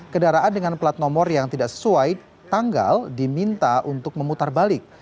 kendaraan dengan plat nomor yang tidak sesuai tanggal diminta untuk memutar balik